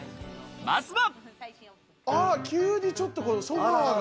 まずは。